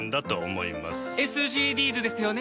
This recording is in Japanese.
ＳＧＤｓですよね。